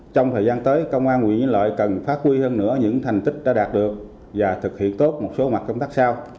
trong thời gian tới công an quỹ lợi cần phát huy hơn nữa những thành tích đã đạt được và thực hiện tốt một số mặt công tác sau